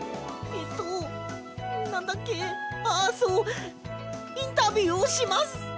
なんだっけあっそうインタビューをします！